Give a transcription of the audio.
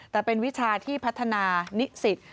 แต่เป็นวิชาที่พัฒนานิสิต